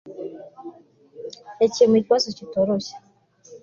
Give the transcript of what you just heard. yakemuye ikibazo kitoroshye